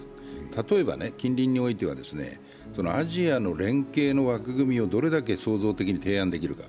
例えば、近隣においてはアジアの連携の枠組みをどれだけ創造的に提案できるか。